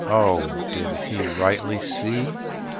Oh! did he rightly see?